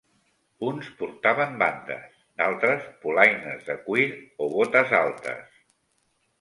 Uns portaven bandes, d'altres polaines de cuir o botes altes.